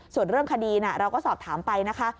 ส่วนเรื่องคดีเราก็สอบถามไปนะคะ